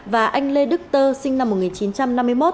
và anh lê đức tơ sinh năm một nghìn chín trăm năm mươi một